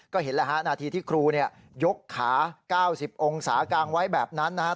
ก็เห็นแล้วฮะนาทีที่ครูยกขา๙๐องศากางไว้แบบนั้นนะครับ